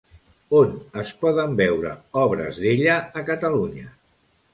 On es poden veure obres d'ella a Catalunya?